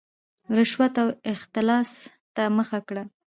رشوت او اختلاس ته مخه کړه.